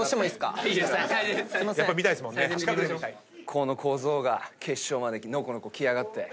この小僧が決勝までのこのこ来やがって。